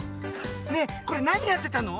ねえこれなにやってたの？